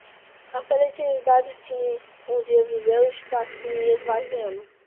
A felicidade que um dia viveu estava se esvaindo.